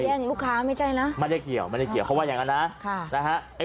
แย่งลูกค้าไม่ใช่นะ